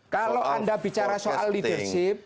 kalau anda bicara soal leadership